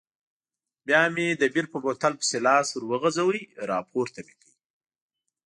بیا مې د بیر په بوتل پسې لاس وروغځاوه، راپورته مې کړ.